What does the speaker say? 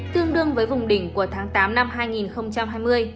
tương đương với vùng đỉnh của tháng tám năm hai nghìn hai mươi